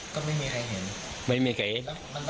ก็ไม่มีใครเห็นไม่มีใครเห็น